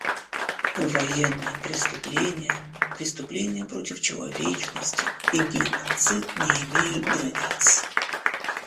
Военные преступления, преступления против человечности и геноцид не имеют границ.